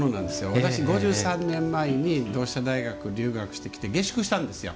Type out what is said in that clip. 私、５３年前に同志社大学留学してきて、下宿したんです。